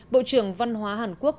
bộ trưởng văn hóa hàn quốc